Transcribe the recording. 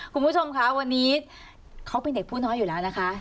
คุณผู้ชมคะวันนี้เขาเป็นเด็กผู้น้อยอยู่แล้วนะคะ